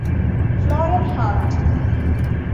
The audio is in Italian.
Florian Hart